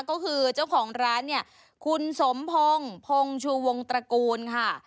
ก็คือเจ้าของร้านเนี่ยคุณสมพงศ์พงชูวงตระกูลค่ะ